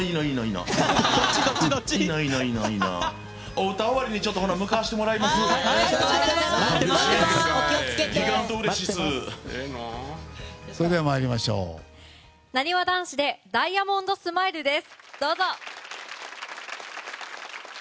なにわ男子で「ダイヤモンドスマイル」です。